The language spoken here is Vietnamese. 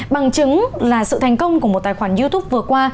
bằng chứng là sự thành công của một tài khoản youtube vừa qua